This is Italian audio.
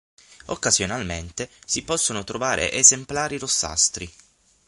Occasionalmente si possono trovare esemplari rossastri.